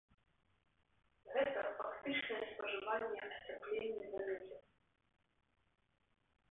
Гэта фактычнае спажыванне ацяплення за месяц.